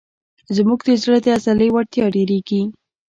زموږ د زړه د عضلې وړتیا ډېرېږي.